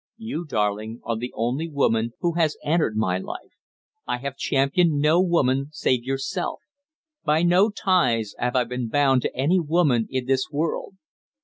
You, darling, are the only woman who has entered my life. I have championed no woman save yourself; by no ties have I been bound to any woman in this world.